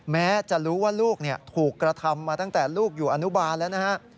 แม้จะรู้ว่าลูกถูกกระทำมาตั้งแต่ลูกอยู่อนุบาลแล้วนะฮะ